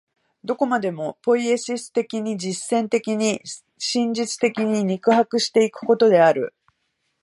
どこまでもポイエシス的に、実践的に、真実在に肉迫し行くことである。